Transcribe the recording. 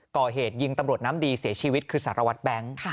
ก่อเหตุยิงตำรวจน้ำดีเสียชีวิตคือสารวัตรแบงค์